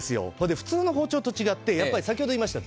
普通の包丁と違って先ほど言いました